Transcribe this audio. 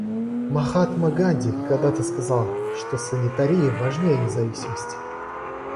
Махатма Ганди когда-то сказал, что «санитария важнее независимости».